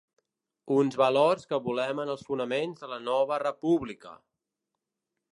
Uns valors que volem en els fonaments de la nova república.